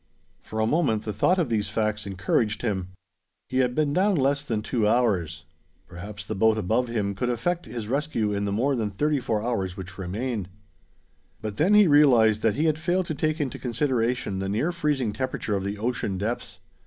For a moment, the thought of these facts encouraged him. He had been down less than two hours. Perhaps the boat above him could affect his rescue in the more than thirty four hours which remained! But then he realized that he had failed to take into consideration the near freezing temperature of the ocean depths.